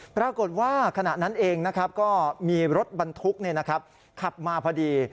ปรากฏว่าขณะนั้นเองนะครับก็มีรถบรรทุกขับมาพอดี